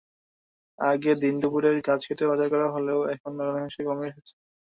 আগে দিনদুপুরে গাছ কেটে পাচার করা হলেও এখন অনেকাংশে কমে এসেছে।